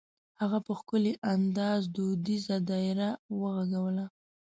هغه په ښکلي انداز دودیزه دایره وغږوله.